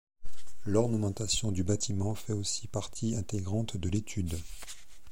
L'ornementation du bâtiment fait aussi partie intégrante de l'étude.